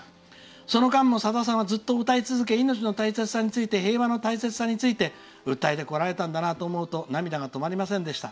その間も、さださんは歌い続けて命の大切さについて平和の大切さについて訴えてこられたんだなと思うと涙が止まりませんでした。